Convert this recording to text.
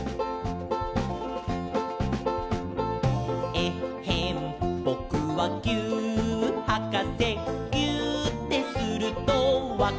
「えっへんぼくはぎゅーっはかせ」「ぎゅーってするとわかるんだ」